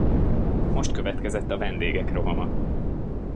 Most következett a vendégek rohama.